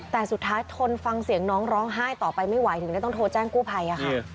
แต่สุดท้ายทนฟังเสียงน้องร้องไห้ต่อไปไม่ไหวถึงได้ต้องโทรแจ้งกู้ภัยค่ะ